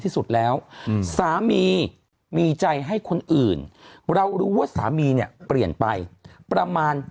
ที่สุดแล้วสามีมีใจให้คนอื่นเรารู้ว่าสามีเนี่ยเปลี่ยนไปประมาณ